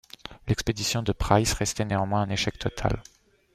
L'expédition de Price restait néanmoins un échec total.